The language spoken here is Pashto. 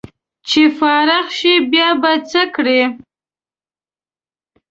چې فارغ شې بیا به څه کړې